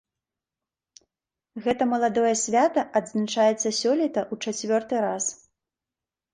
Гэта маладое свята адзначаецца сёлета ў чацвёрты раз.